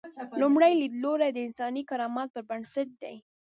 لومړی لیدلوری د انساني کرامت پر بنسټ دی.